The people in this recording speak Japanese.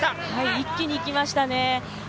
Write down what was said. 一気にいきましたね。